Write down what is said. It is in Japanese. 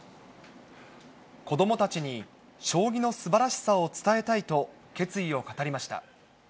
子どもたちに将棋のすばらしさを伝えたいと、決意を語りました。